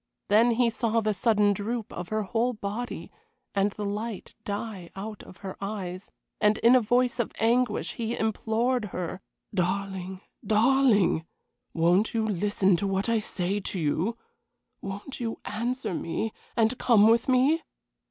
Then he saw the sudden droop of her whole body and the light die out of her eyes, and in a voice of anguish he implored her: "Darling, darling! Won't you listen to what I say to you? Won't you answer me, and come with me?"